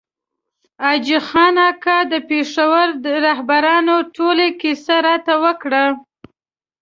حاجي خان اکا د پېښور رهبرانو ټولۍ کیسه راته وکړه.